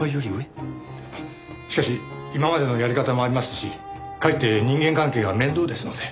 しかし今までのやり方もありますしかえって人間関係が面倒ですので。